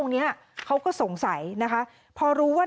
บรรยายสบัติภาพหนาผู้ประดับสหรัฐพ